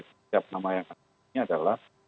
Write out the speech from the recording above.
setiap nama yang akan ditemukan adalah